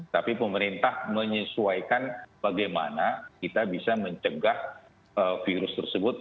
tapi pemerintah menyesuaikan bagaimana kita bisa mencegah virus tersebut